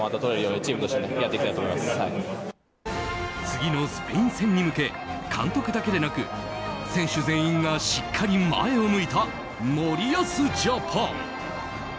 次のスペイン戦に向け監督だけでなく選手全員がしっかり前を向いた森保ジャパン。